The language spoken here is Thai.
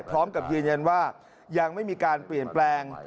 พร้อมกับยืนยันว่ายังไม่มีการเปลี่ยนแปลง